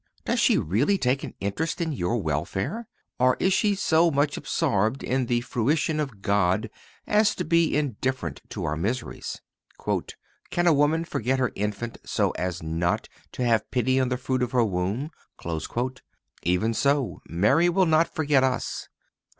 Does she really take an interest in your welfare? Or is she so much absorbed by the fruition of God as to be indifferent to our miseries? "Can a woman forget her infant so as not to have pity on the fruit of her womb?"(265) Even so Mary will not forget us.